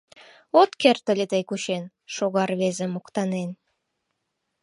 От керт ыле тый кучен, Шога рвезе, моктанен.